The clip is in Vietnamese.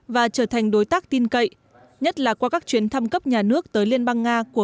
và trở thành đối tác tin cậy nhất là qua các chuyến thăm cấp nhà nước tới liên bang nga của